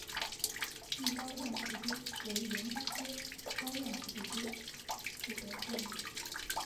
豫高亮腹蛛为园蛛科高亮腹蛛属的动物。